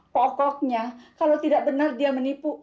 pokoknya kalau tidak benar dia menipu